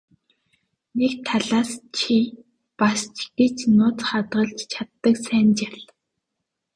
Нэг талаас чи бас ч гэж нууц хадгалж чаддаг сайн жаал.